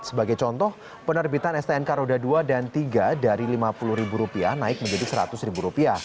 sebagai contoh penerbitan stnk roda dua dan tiga dari rp lima puluh naik menjadi rp seratus